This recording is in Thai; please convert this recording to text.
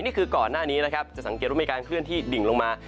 นี่คือก่อนหน้านี้นะครับจะสังเกตว่ามีการเคลื่อนที่ดิ่งลงมา